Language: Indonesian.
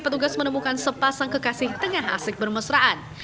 petugas menemukan sepasang kekasih tengah asik bermesraan